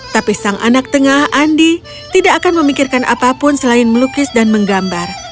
tapi sang anak tengah andi tidak akan memikirkan apapun selain melukis dan menggambar